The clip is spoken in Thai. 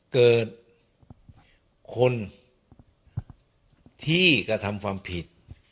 เกิดคนที่กระทำความผิด